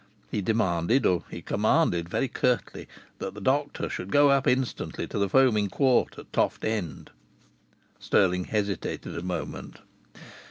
He demanded, or he commanded, very curtly, that the doctor should go up instantly to the Foaming Quart at Toft End. Stirling hesitated a moment.